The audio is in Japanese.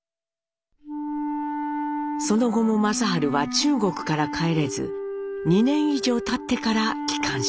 その後も正治は中国から帰れず２年以上たってから帰還します。